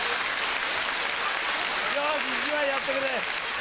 よし１枚やってくれ！